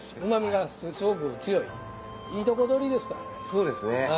そうですね。